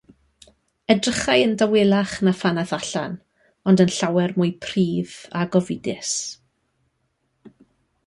Edrychai yn dawelach na phan aeth allan, ond yn llawer mwy prudd a gofidus.